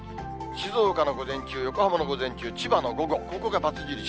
静岡の午前中、横浜も午前中、千葉の午後、ここがバツ印。